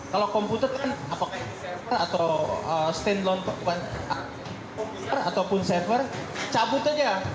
kalau komputer kan apakah server atau stand alone ataupun server cabut saja